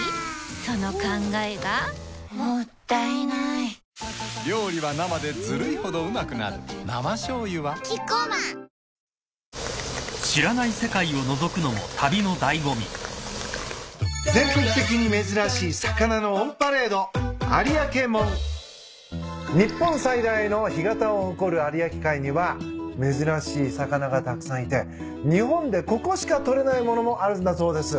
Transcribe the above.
その考えがもったいないジュー生しょうゆはキッコーマン日本最大の干潟を誇る有明海には珍しい魚がたくさんいて日本でここしかとれない物もあるんだそうです。